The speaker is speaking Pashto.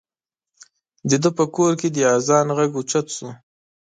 د ده په کور کې د اذان غږ اوچت شو.